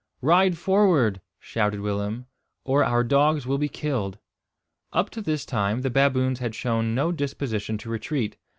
"Ride forward," shouted Willem, "or our dogs will be killed." Up to this time the baboons had shown no disposition to retreat.